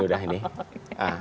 sudah nempel ketat